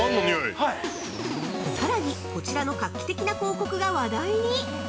さらに、こちらの画期的な広告が話題に！